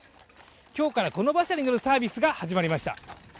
今日からこの馬車に乗るサービスが始まりました。